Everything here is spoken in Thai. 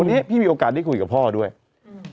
วันนี้พี่มีโอกาสได้คุยกับพ่อด้วยอืม